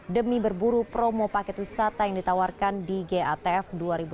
demi berburu promo paket wisata yang ditawarkan di gatf dua ribu dua puluh